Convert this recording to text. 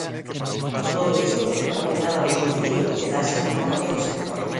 Todo isto para que nada do sucedido quedase na memoria do sector.